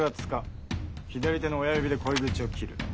左手の親指でこい口を切る。